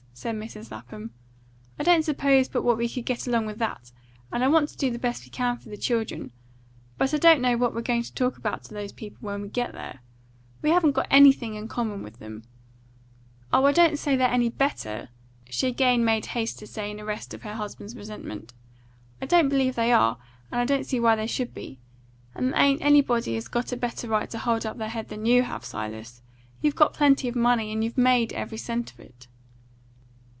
said Mrs. Lapham. "I don't suppose but what we could get along with that; and I want to do the best we can for the children; but I don't know what we're going to talk about to those people when we get there. We haven't got anything in common with them. Oh, I don't say they're any better," she again made haste to say in arrest of her husband's resentment. "I don't believe they are; and I don't see why they should be. And there ain't anybody has got a better right to hold up their head than you have, Silas. You've got plenty of money, and you've made every cent of it."